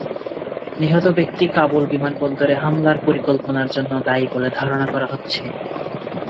নিহত ব্যক্তি কাবুল বিমানবন্দরে হামলার পরিকল্পনার জন্য দায়ী বলে ধারণা করা হচ্ছে।